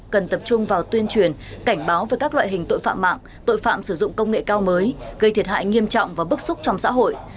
cần tập trung vào tuyên truyền cảnh báo về các loại hình tội phạm mạng tội phạm sử dụng công nghệ cao mới gây thiệt hại nghiêm trọng và bức xúc trong xã hội